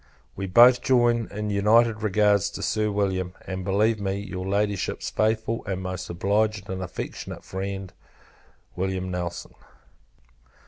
We both join in united regards to Sir William; and believe me, your Ladyship's faithful and most obliged and affectionate friend, Wm. NELSON.